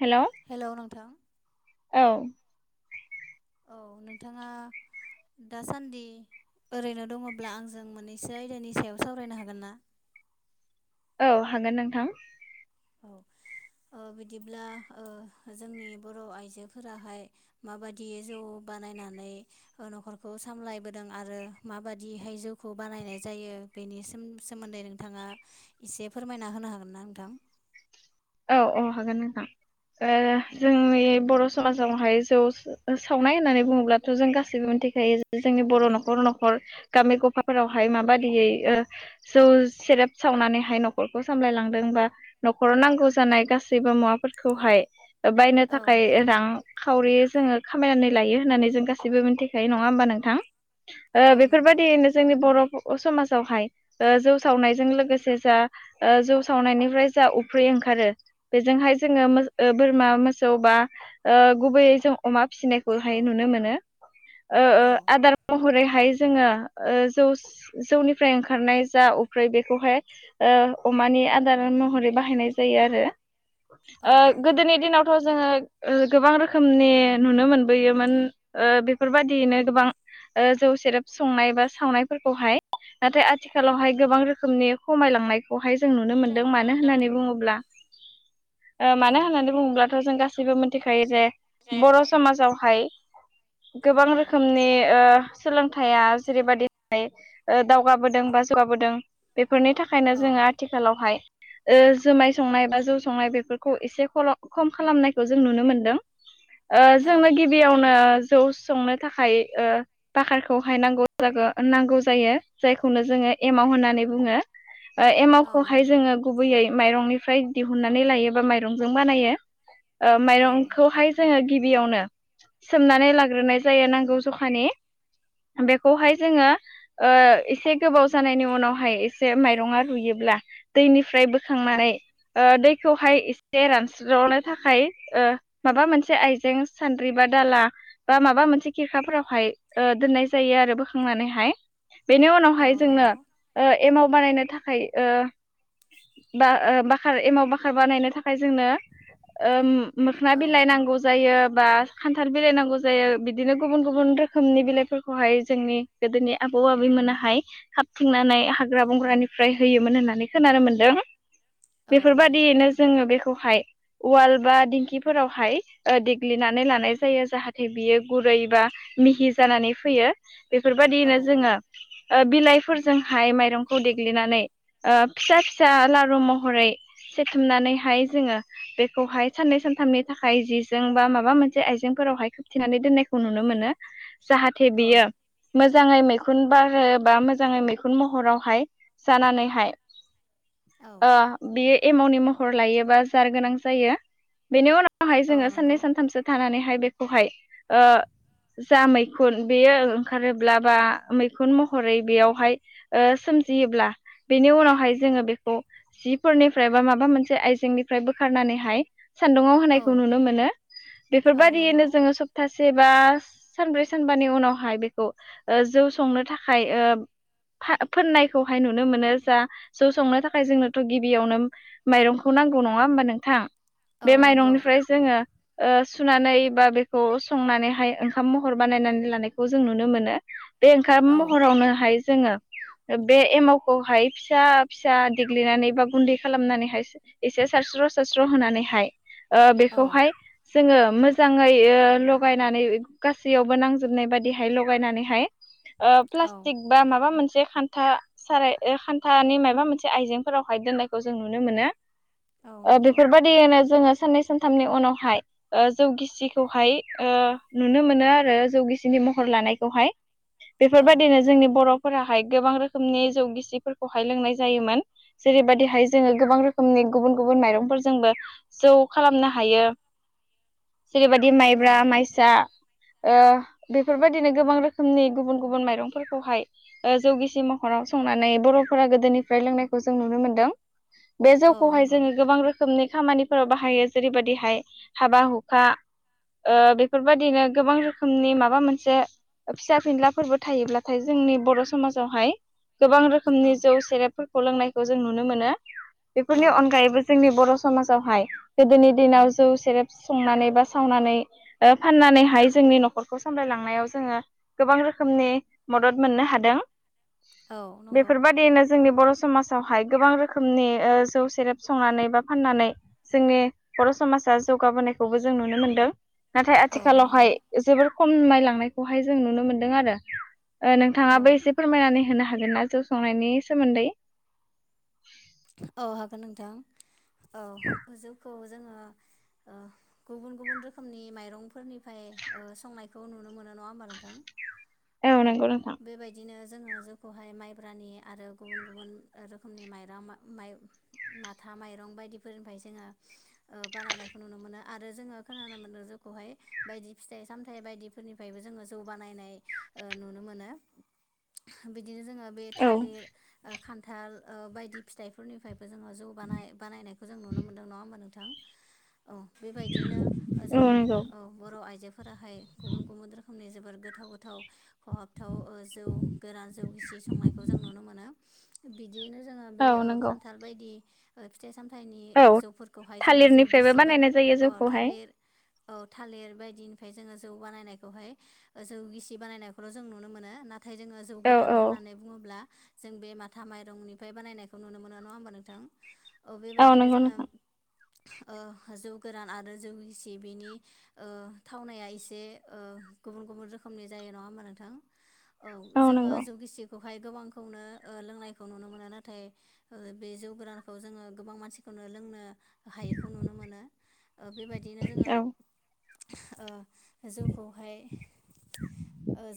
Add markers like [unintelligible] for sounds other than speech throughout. Hello hello नोंथां औ औ नोंथाङा दासान्दि ओरैनो दङब्ला आंजों मोननैसो आयदानि सायाव सावरायनो हागोन ना औ हागोन नोंथां औ ओ बिदिब्ला ओ जोंनि बर' आइजोफोराहाय माबादि जौ बानायनानै न'खरखौ सामलायबोदों आरो माबादिहाय जौखौ बानायनाय जायो बेनि सोमोन्दै नोंथाङा एसे फोरमायना होनो हागोन ना नोंथां औ औ हागोन नोंथां ओ जोंनि बर' समाजावहाय जौ सावनाय होननानै बुङोब्लाथ' जों गासैबो मिथिखायो जोंनि बर' न'खर न'खर गामि गफाफोरावहाय माबायदियै ओ जौ सेरेब सावनानैहाय न'खरखौ सामलायलां लांदोंबा नखराव नांगौ जानाय गासैबो मुवाफोरखौहाय बायनो औ थाखाय रां सावरि जोङो खामायनानै लायो होननानै जों गासैबो मिथिखायो नङा होमबा नोंथां औ नंगौ बेफोरबायदियैनो जोंनि बर' अ समाजावहाय ओ जौ सावनायजों लोगोसे जा ओ जौ सावनायनिफ्राय जा अफ्रि ओंखारो बेजोंहाय जोङो बोरमा मोसौ बा गुबैयै जों अमा औ फिसिनायखौहाय नुनो मोनो ओ ओ औ आदार महरैहाय जोङो ओ जौस जौनिफ्राय ओंखारनाय जा अफ्रि बेखौहाय ओ अमानि नि आदार महरै बाहायनाय जायो आरो औ ओ नंगौ गोदोनि दिनावथ' जोङो ओ गोबां रोखोमनि नुनो मोनबोयोमोन ओ बेफोरबायदियैनो गोबां ओ जौ सेरेब संनाय बा सावनायफोरखौहाय नाथाय औ आथिखालावहाय गोबां रोखोमनि खमायलांनायखौहाय जों नुनो मोन्दों मानो होननानै बुङोब्ला औ मानो होननानै बुङोबथ' जों गासैबो मिथिखायो जे जे बर' समाजावहाय गोबां औ रोखोमनि ओ सोलोंथाइया जेरैबायदि दावगाबोदों बा जौगाबोदों बे फोरनि थाखायनो औ जोङो आथिखालावहाय ओ जोमाय संनाय बा जौ संनाय बेफोरखौ एसे खल खम खालामनायखौ जों नुनो मोनदों ओ जोङो औ गिबियावनो जौ संनो थाखाय ओ बाखारखौहायनांगौ जागौ ओ नांगौ जायो जायखौनो जोङो एमाव होननानै बुङो ओ औ एमावखौहाय नंगौ जोङो गुबैयै माइरंनिफ्राय दिहुननानै लायो बा माइरंजों बानायो ओ औ माइरंखौहाय जोङो गिबियावनो सोमनानै लाग्रोनाय जायो नांगौ जखानि बेखौहाय जोङो ओ एसे गोबाव जानायनि उनावहाय एसे माइरङा रुयो ब्ला दैनिफ्राय औ बोखांनानै ओ दैखौहाय एसे रानस्रावनो थाखाय माबा मोनसे आइजें सानद्रिबा दा ला बा माबा मोनसे खिरखाफोरावहाय दोननाय जायो आरो बोखांनानैहाय बेनि उनावहाय औ जोंनो नंगौ ओ एमाव बानायनो थाखाय ओ बा ओ बा आर एमाव बाख्खार बानायनो थाखाय जोंनो ओम मोखोना औ बिलाइ नांगौ जायो। बा खान्थाल बिलाइ नांगौ जायो बिदिनो गुबुन गुबुन रोखोमनि बिलाइफोरखौहाय जोंनि गोदोनि आ बौ-आबैमोनाहाय खाबथिंनानै हाग्रा बंग्रानिफ्राय होयोमोन होननानै खोनानो मोनदों। औ बेफोर नंगौ बादियैनो जोङो बेखौहाय उवाल बा दिंखिफोरावहाय ओ देग्लिनानै लानाय जायो जाहाथे बियो गुरै बा मिहि जानानै फैयो बेफोरबादियैनो औ जोङो ओ बिलाइफोरजोंहाय माइरंखौ देग्लिनानै ओ फिसा-फिसा लारु महरै सेथुमनानैहाय जोङो बेखौहाय साननै सानथामनि थाखाय जिजों बा माबा मोनसे आइजें फोरावहाय खोबथिनानै दोननायखौ नुनो मोनो जाहाथे बियो औ मो जाङै मैखुन बारो बा मोजाङै मैखुन महरावहाय जानानैहाय औ ओ बियो एमावनि महर लायोबा जार गोनां जायो बेनि उनाव हाय औ जोङो साननै नंगौ सानथामसो थानानैहाय बेखौहाय ओ जा मैखुन बेयो ओंखारोब्ला बा मैखुन महरै बेयावहाय ओ सो मजियोब्ला बेनि उनावहाय जोङो बेखौ जिफोरनि फ्राय बा माबा मोनसे आइजेंनिफ्राय बोखारनानैहाय सान्दुङाव होनायखौ औ नुनो मोनो। औ बेफोरबादियैनो नंगौ जोङो सप्ता सेबा सानब्रै सानबानि उनावहाय बेखौ ओ जौ संनो थाखाय ओ फा-फोननायखौहाय नुनो मोनो जा जौ संनो थाखाय जोंनोथ' गिबियावनो माइरंखौ नांगौ नङा होमबा नोंथां औ बे नंगौ माइरंनिफ्राय जोङो ओ सुनानै बा बेखौ संनानैहाय ओंखाम महर बानायनानै लानायखौ जों नुनो मोनो। बे ओंखाम औ महरावनो हाय जोङो बे एमावखौहाय फिसा फिसा देग्लिनानै बा गुन्दै खालामनानैहाय एसे सारस्र'-सारस्र' होनानैहाय ओ औ बेखौहाय जोङो मोजाङै ओ लगायनानै गासैयावबो नांजोबनाय बादिहाय लगायनानैहाय ओ औ प्लास्टिक बा माबा मोन से खान्था साराय खान्थानि माबा मोनसे आइजेंफोरावहाय दोननायखौ जों नुनो मोनो। औ ओ नंगौ बेफोरबादियैनो जोङो साननै सानथामनि उनावहाय ओ जौ गिसिखौहाय ओ नुनो मोनो आरो जौ गिसिनि महर लानायखौहाय औ बेफोरबायदिनो जोंनि बर' फोराहाय गोबां रोखोमनि जौ गिसिफोरखौहाय लोंनाय जायोमोन जेरैबायदिहाय जोङो गोबां रोखोमनि गुबुन गुबुन माइरंफोरजोंबो जौ खालामनो हायो। जेरैबादि औ माइब्रा, माइसा ओ बेफोरबादिनो गोबां रोखोमनि गुबुन-गुबुन माइरंफोरखौहाय ओ जौ गिसि महराव संनानै बर'फोरा गोदोनिफ्राय लोंनायखौ जों नुनो मोनदों बे औ जौखौहाय नंगौ जोङो गोबां रो खोमनि खामानिफोराव बाहायो जेरैबायदिहाय हाबा हुखा ओ बेफोरबादिनो गोबां रोखोमनि माबा मोनसे फिसा फिनलाफोरबो थायोब्लाथाय जों नि बर' समाजावहाय गोबां औ रोखोमनि जौ सेरेबफोरखौ लोंनायखौ जों नुनो मोनो। औ बेफोरनि अनगायैबो जोंनि बर' समाजावहाय गोदोनि दिनाव जौ सेरेब संनानै बा सावनानै ओ फाननानैहा हाय जोंनि न'खरखौ सामलायलांनायाव जोङो गोबां रोखोमनि मदद मोननो हादों। औ नंगौ बेफोरबादियैनो जोंनि बर' समाजावहाय गोबां रो खोमनि ओ जौ सेरेप संनानै बा फाननानै जोंनि बर' समाजा जौगाबोनायखौबो जों नुनो मोनदों। नाथाय औ आथिखालावहाय नंगौ जोबोर खममायलांनायखौहाय जों नुनो मोनदों आरो। ओ नोंथाङाबो औ एसे फोरमायनानै होनो हागोन ना जौ संनायनि सोमोन्दै। औ हागोन नोंथां औ जौखौ जोङो ओ गुबुन गुबुन रोखोमनि माइरंफोरनिफ्राय ओ संनायखौ नुनो मोनो नङा होमबा नोंथां? औ नंगौ नोंथां बेबायदिनो जोङो जोंखौहाय माइब्रानि आरो गुबुन गुबुन रोखोमनि माइरं माइ माथा माइरं बायदिफोरनिफ्राय जोङो बानायनायखौ नुनो मोनो आरो जोङो खोनानो मोनदों जौ खौहाय बायदि फिथाइ सामथाइ बायदिफोरनिफ्रायबो जोङो जौ बानायनाय ओ नुनो मोनो। बिदिनो जोङो बे औ थालिर ओ खान्थाल ओ बायदि फिथाइफोरनिफ्राय जोङो जौ बानाय बानायखौ जों नुनो मोनदों नङा होमबा नोंथां। औ बेबायदियैनो औ जोंनि नंगौ औ बर' आइजोफोराहाय गुबुन गुबुन रोखोमनि जो बोर गोथाव गोथाव खहाबथाव ओ जौ गोरान जौ गिसि संनायखौ जों नुनो मोनो। बिदिनो जोङो बे औ ओ नंगौ खान्थाल बायदि फिथाइ सामथ औ थायनि जौफोरखौहाय जोङो जौ थालिरनिफ्रायबो गिसि बानाय बानायनाय जायो अ जौखौहाय थालिर। औ थालिर बायदिनिफ्राय जोङो जौ बानायनायखौहाय जौ गिसि बानायनायखौल' जों नुनो मोनो ना नाथाय जोङो जौ औ गोरान औ होननानै बुङोब्ला जों बे माथा माइरंनिफ्राय बानायनाय खौ नुनो मोनो नङा होमबा नोंथां औ बेबायदिनो नंगौ जोङो नोंथां जौ गोरान आरो जौ गिसि बिनि थावनाया एसे गुबुन गुबुन रोखोमनि जायो नङा होमबा नोंथां? औ जोङो जुगिसिखौहाय गोबांखौनो लोंनायखौ नुनो मोनो नाथाय बे जौ गोरानखौ जोङो गोबां मानसिखौनो लोंनो हायैखौ नुनो मोनो बेबायदियैनो जोङो औ जोंखौहाय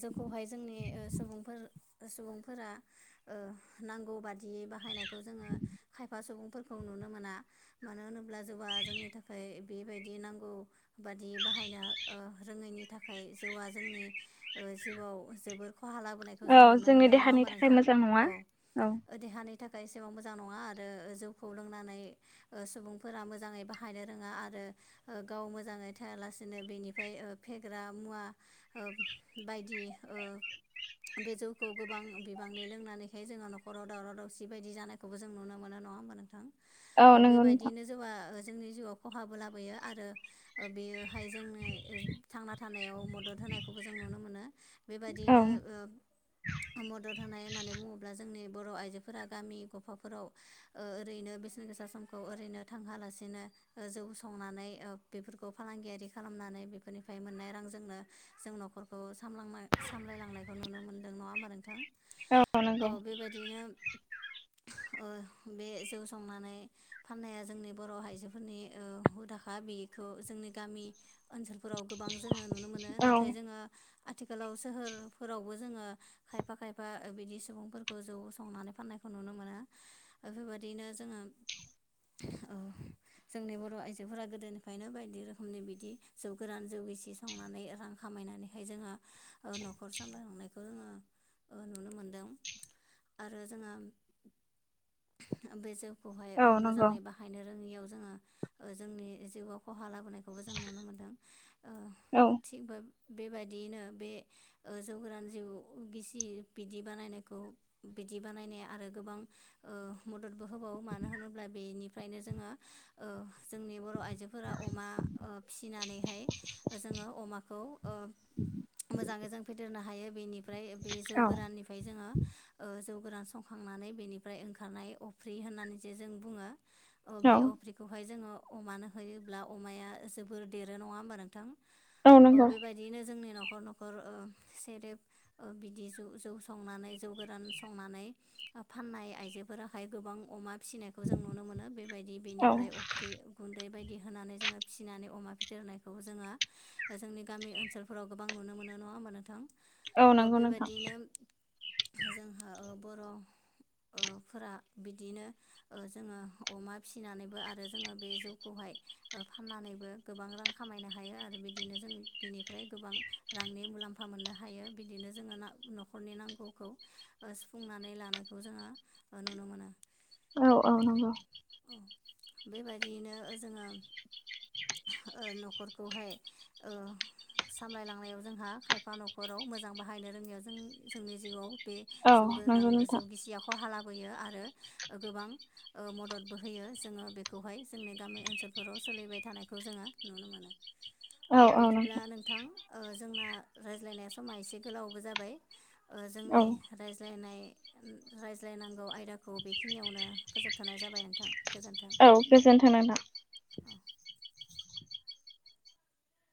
जोंखौहाय जोंनि सुबुंफोर सुबुंफोरा नांगौ बादियै बाहायनायखौ जोङो खायफा सुबुं फोरखौ नुनो मोना मानो होनोब्ला जेबा जोंनि थाखाय बेबायदि नांगौ बादि बाह बाहायनो रोङैनि थाखाय जिउआ जोंनि जिउआव जोबोर खहा लाबोनायखौ जों औ नुनो जोंनि मोनदों नङा देहानि थाखाय मोनोंथों मोजां नङा औ औ दहानि नि थाखाय एसेबां मोजां नङा आरो जौखौ लोंनानै सुबुंफोरा मोजाङै बाहायनो रोङा आरो गाव मोजाङै थाया लानो बेनिफ्राय फेग्रा मुवा ब बायदि बे जखौ गोबां बिबांनि लोंनानैाय जोो न'राव दावराव दावसि बिबायायदि जानायखौबो जों नुनो मोनो नङा होमबा नोंथां औ अ नंगौ नोंथां बेबायदिैनो [unintelligible] जोंनि जिउआव खहाबो लाबोयो आरो बेयो बाहाय जोंनो थांना थानायाव मदद होनायखौबो जों नुनो मोनो बेबायदियैनो औ मदद होनाय होननानै बुङोब्ला जोंनि बर' आइजो फोरा गामि गफाफोराव ओरैनो बेसेन गोसा समखौ ओरैनो थांहोलासेनो जौ उ संनानै बेफोरखौ फालांगियारि खालामनानै बेफोरनिफ्राय मोननाय रांजोंनो जों न'खरखौ लांनाय सामलायलांनायखौ नुनो मोनदों नङा होमबा नोंथां औ बेबायदिनो बे जौ संनानै फाननाया जोंनि बर' आइजोफोरनि हुदाखा बि बेखौ जोंनि गामि ओनसोलफोराव गोबां जोङो नुनो मोनो औ नाथाय जोङो आथिखालाव सोहोरफोरावबो जोङो खायफा खायफा बिदि सुबुंफोरखौ जौ संनानै फाननायखौ नुनो मोनो बेबायदिनो जोङो औ जोंनि बर' आइजोफोरा गोदोनिफ्रायनो बायदि रोखोमनि बिदि जौ गोरान जौ गिसि संनानै रां खाम खमायनानैहाय जोङो न'खर सामलायलांनायखौ जोङो नुनो मोनदों आरो जोङो बे जउखौहाय औ नंगौ मोजाङै बाहायनो रोङैयाव ज जहा गनायखौबो जों नुनो मोनदों औ थिग बा। बेबायदियैनो बे जौगोरान जिउ गिसि बिदि बानायनायखौ बि बानायनाय आरो गोबां मददबो होबावो मानो होनोब्ला बेनिफ्रायनो जोङो। जोंनि बर' आइजोफोरा अमा फिसिनानैहाय जोङो अमाखौ मोजाङै जों फेदेरनो हायो बेनिफ्राय ओमफ्राय बे जौ औ गोराननिफ्राय जोङो जौ गोरान संखांनानै बेनिफ्राय ओंखारनाय अफ्रि होननानै जे जों बुङो औ बे अफ्रिखौहाय जोङो अमानो होयोब्ला अमाया जोबोर देरो नङा होमबा नोंथां? औ बेबायदिनो जोंनि न' न'खर न'खर सेरेब बिदि जौ संनानै जौ गोरान संनानै फाननाय आइजोफोराहाय गोबां अमा फिसिनायखौ जों नुनो मोनो बेबायदि औ बेनिफ्राय अफ्रि गुन्दै बायदि दि होनानै जोङो फिसिनानै अमा फेदेरनायखौ जोङो जोंनि गामि ओनसोलफोराव गोबां नुनो मोनो नङा होमबा नोंथां। औ अ नंगौ नोंथां। बेबायदियैनो जोंहा बर' फोरा बिदिनो जोङो अमा फिसिनानैबो आरो जोङो बे जौ खौहाय गोबां रां खामायनो हायो आरो बिदिनो जों बिनिफ्राय गोबां रांनि थाखाइ मुलाम्फा मोननो हायो बिदिनो जोङो न'खरनि नांगौखौ सुफुंनानै लानायखौ जोङो नुनो मोनो। औ औ नंगौ। औ बेबायदियैनो जोङो ओ न'खरखौहाय ओ सामलायलांनायाव जोंहा खायफा न'खराव मोजां बाहायनो रोङिआव जों जोंनि जिउआव बे औ जौ गोरान नंगौ जौ नोंथां गिसिया खहा लाबो बोयो आरो गोबां मददबो होयो जोङो बेखौहाय जोंनि गामि ओनसोलफोराव सोलिबाय थानायखौ जोङो नुनो मोनो औ ओ औ बिदिब्ला नोंथां जोंना रायज्लायनाया समा एसे गोलावबो जाबाय ओ औ जोंनि रायज्लायनाय रायज्लायनांगौ आयदाखौ बेखिनियावनो फोजोबथ'नाय जाबाय नोंथां। गोजोन्थों औ गोजोन्थों नोंथां।